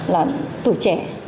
là tuổi trẻ